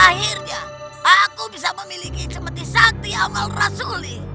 akhirnya aku bisa memiliki cemeti sakti amal rasuli